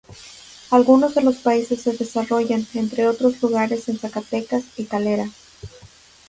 Algunos de los pasajes se desarrollan, entre otros lugares en Zacatecas y Calera.